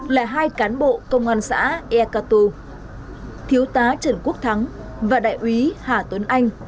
là hai cán bộ công an xã ea cà tù thiếu tá trần quốc thắng và đại úy hà tuấn anh